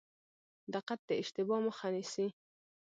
دقت د اشتباه مخه نیسي